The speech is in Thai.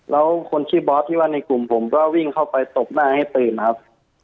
แล้วคนชื่อบอสที่ว่าในกลุ่มผมก็วิ่งเข้าไปตบหน้าให้ตื่นครับ